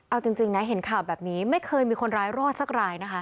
เอาจริงนะเห็นข่าวแบบนี้ไม่เคยมีคนร้ายรอดสักรายนะคะ